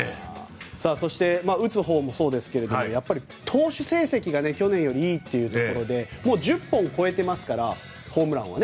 打つほうもそうですが投手成績が去年よりいいということで１０本を超えていますからホームランが。